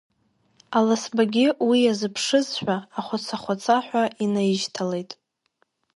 Аласбагьы уи иазыԥшызшәа, ахәаца-хәацаҳәа инаишьҭалеит.